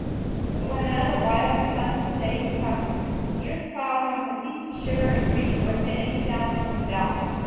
But, when another wild, sunless day had come in, the drift piled home had ceased to shiver and creak or admit any sounds from without.